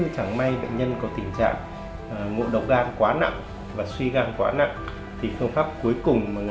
sau một thời gian dùng các thuốc